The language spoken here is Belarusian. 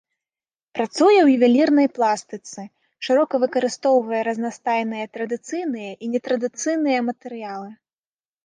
Працуе ў ювелірнай пластыцы, шырока выкарыстоўвае разнастайныя традыцыйныя і нетрадыцыйныя матэрыялы.